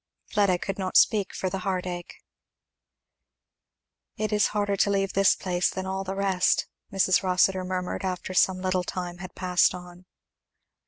Fleda could not speak for the heart ache. "It is harder to leave this place than all the rest," Mrs. Rossitur murmured, after some little time had passed on.